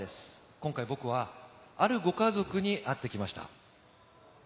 今回、僕はあるご家族に会ってきました。